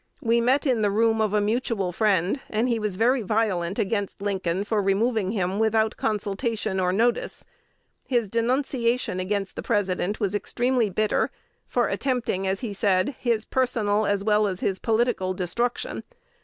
We met in the room of a mutual friend, and he was very violent against Lincoln for removing him without consultation or notice. His denunciation against the President was extremely bitter, for attempting, as he said, his 'personal as well as his political destruction.'